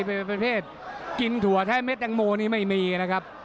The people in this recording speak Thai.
เป็นประเภทกินถั่วแท้เม็ดแตงโมนี่ไม่มีนะครับ